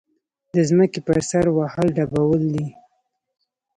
د ځمکې پر سر وهل ډبول دي.